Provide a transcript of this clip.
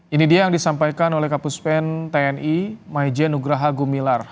ini dia yang disampaikan oleh kapuspen tni maijen nugraha gumilar